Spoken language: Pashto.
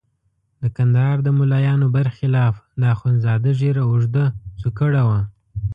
د کندهار د ملایانو برخلاف د اخندزاده ږیره اوږده څوکړه وه.